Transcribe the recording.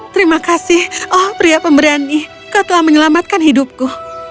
terima kasih oh pria pemberani kau telah menyelamatkan hidupku